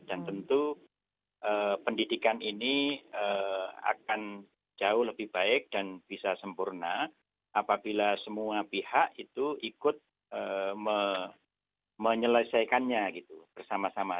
jadi itu pendidikan ini akan jauh lebih baik dan bisa sempurna apabila semua pihak itu ikut menyelesaikannya gitu bersama sama